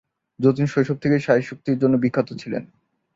যতীন শৈশব থেকেই শারীরিক শক্তির জন্য বিখ্যাত ছিলেন।